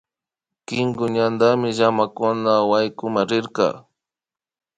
Kinku ñantami llamakuna waykunan rirka